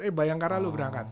eh bayangkara lu berangkat